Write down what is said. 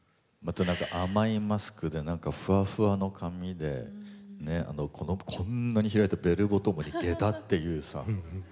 甘いマスクでふわふわの髪でこんなに開いたベルボトムに下駄っていうさ。